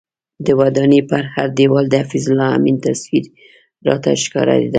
د ودانۍ پر هر دیوال د حفیظ الله امین تصویر راته ښکاره کېده.